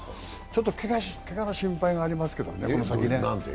ちょっと、けがの心配がありますけどね、この先。